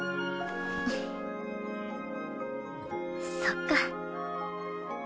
そっか。